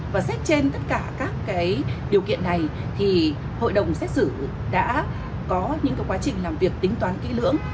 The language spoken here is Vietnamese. và xét trên tất cả các điều kiện này thì hội đồng xét xử đã có những quá trình làm việc tính toán kỹ lưỡng